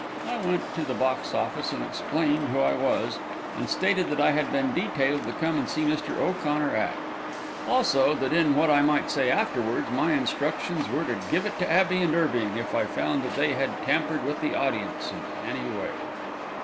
I went to the box office and explained who I was, and stated that I had been detailed to come and see Mr. O'Connor act; also that in what I might say afterwards my instructions were to give it to Abbey and Irving if I found that they had tampered with the audience in any way.